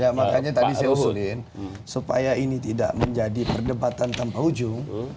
ya makanya tadi saya usulin supaya ini tidak menjadi perdebatan tanpa ujung